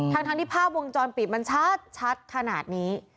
ทั้งที่ภาพวงจรปิดมันชัดขนาดนี้